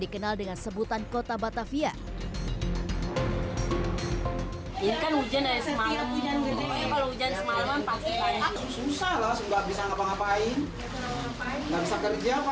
dan juga dengan semangat untuk terus menjadi yang terbaik